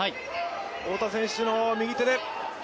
太田選手の右手で。